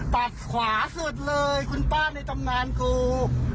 ตัดขวาสุดเลยคุณป้าในตำนานกู